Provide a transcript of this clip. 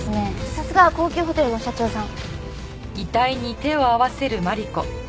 さすが高級ホテルの社長さん。